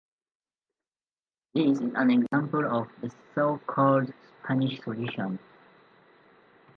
This is an example of the so-called Spanish solution.